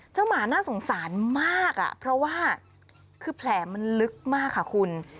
หมาน่าสงสารมากเพราะว่าคือแผลมันลึกมากค่ะคุณ